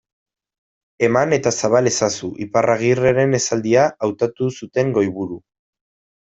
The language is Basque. Eman eta zabal ezazu, Iparragirreren esaldia, hautatu zuten goiburu.